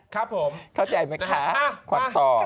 ครับผมเข้าใจไหมคะขวัญตอบ